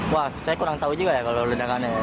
wah saya kurang tahu juga ya kalau ledakannya